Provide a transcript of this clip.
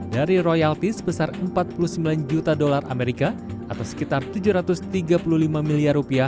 dari royalti sebesar rp empat puluh sembilan juta dolar amerika atau sekitar rp tujuh ratus tiga puluh lima miliar rupiah